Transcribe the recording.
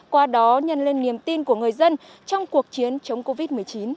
qua đó nhân lên niềm tin của người dân trong cuộc chiến chống covid một mươi chín